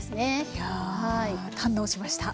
いや堪能しました。